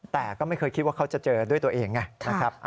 แต่ก็ไม่เคยคิดว่าเขาจะเจอด้วยตัวเองไงนะครับ